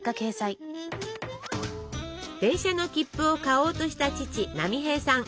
電車の切符を買おうとした父波平さん。